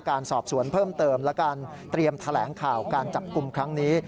การสอบสวนเพิ่มเติมและการเตรียมแถลงข่าวการจับกลุ่มครั้งนี้